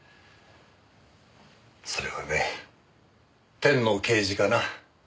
それはね天の啓示かな。